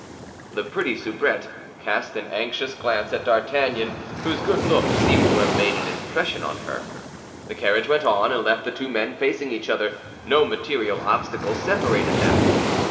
The pretty soubrette cast an anxious glance at D'Artagnan, whose good looks seemed to have made an impression on her. The carriage went on, and left the two men facing each other; no material obstacle separated them.